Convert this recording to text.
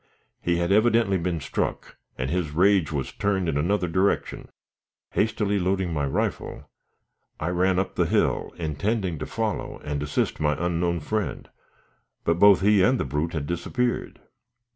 He had evidently been struck, and his rage was turned in another direction. Hastily loading my rifle, I ran up the hill, intending to follow and assist my unknown friend, but both he and the brute had disappeared.